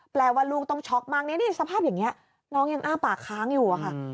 แปลว่าลูกต้องช็อกมากเนี่ยนี่สภาพอย่างนี้น้องยังอ้าปากค้างอยู่อะค่ะ